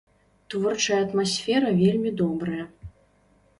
Творчая атмасфера вельмі добрая.